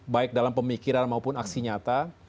baik dalam pemikiran maupun aksi nyata